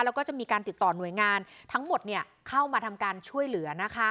แล้วก็จะมีการติดต่อหน่วยงานทั้งหมดเข้ามาทำการช่วยเหลือ